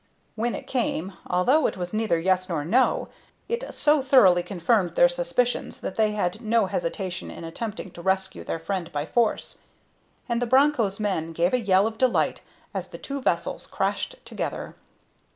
When it came, although it was neither yes nor no, it so thoroughly confirmed their suspicions that they had no hesitation in attempting to rescue their friend by force, and the Broncho's men gave a yell of delight as the two vessels crashed together.